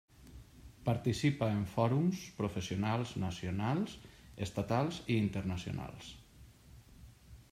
Participa en fòrums professionals nacionals, estatals i internacionals.